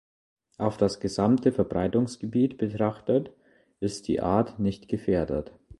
Auf das gesamte Verbreitungsgebiet betrachtet ist die Art nicht gefährdet.